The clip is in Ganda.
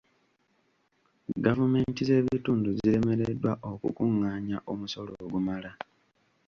Gavumenti z'ebitundu ziremereddwa okukungaanya omusolo ogumala.